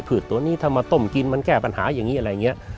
ตัวนี้ถ้ามาต้มกินมันแก้ปัญหาอย่างนี้อะไรอย่างนี้